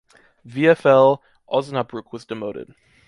VfL Osnabrück was demoted.